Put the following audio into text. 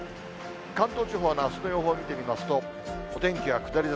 関東地方のあすの予報を見てみますと、お天気は下り坂。